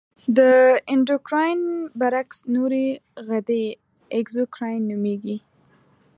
د اندورکراین برعکس نورې غدې اګزوکراین نومیږي.